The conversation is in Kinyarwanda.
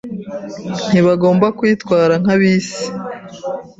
Ntibagomba kwitwara nk’ab’isi.